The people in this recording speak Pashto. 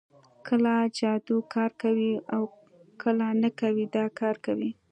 کله جادو کار کوي او کله نه کوي دا کار کوي